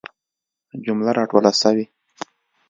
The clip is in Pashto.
جمله را ټوله سوي.